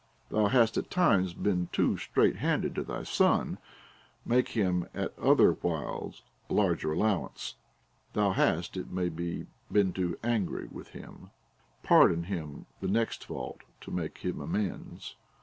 Thou hast at times been too straight handed to thy son ; make him at other whiles a larger allowance. Thou hast, it may be, been too angry with him ; pardon him the next fault to make him amends.